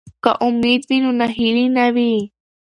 که امید وي نو ناهیلي نه وي.